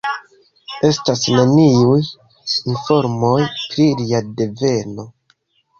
Estas neniuj informoj pri lia deveno.